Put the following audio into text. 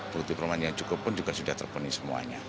bukti perumahan yang cukup pun juga sudah terpenuhi semuanya